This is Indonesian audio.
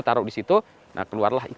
taruh di situ nah keluarlah